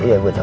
iya gue tau